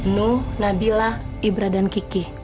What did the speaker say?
nuh nabila ibra dan kiki